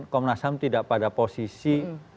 komnas ham tidak pada posisi